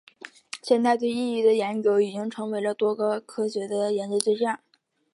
现代对意识的研究已经成为了多个学科的研究对象。